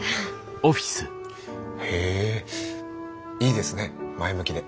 へえいいですね前向きで。